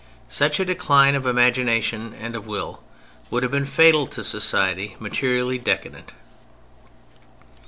Such a decline of imagination and of will would have been fatal to a society materially decadent.